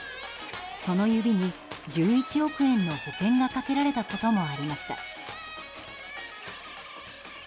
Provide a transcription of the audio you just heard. その指に１１億円の保険がかけられたこともありました。